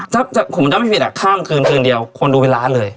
ถ้าผมจำไม่ผิดอ่ะข้ามคืนคืนเดียวคนดูเป็นล้านเลย